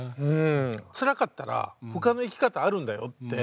つらかったら他の生き方あるんだよって。